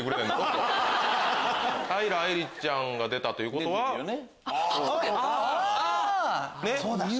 平愛梨ちゃんが出たということは？あっ！